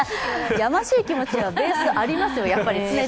やましい気持ちはベースありますよ、常に。